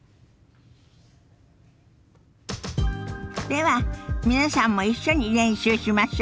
では皆さんも一緒に練習しましょ。